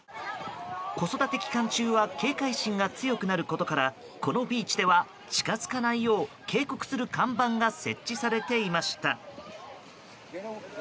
子育て期間中は警戒心が強くなることからこのビーチでは近づかないよう警告する看板が設置されていました。